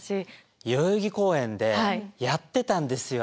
代々木公園でやってたんですよ。